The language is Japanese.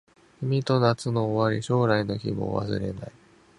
君と夏の終わり将来の希望忘れない